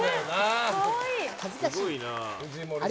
恥ずかしいよ。